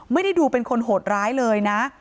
ไม่ได้ดูเป็นคนโหดร้ายเลยนะ